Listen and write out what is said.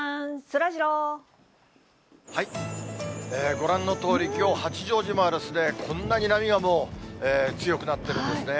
ご覧のとおり、きょう、八丈島は、こんなに波がもう強くなってるんですね。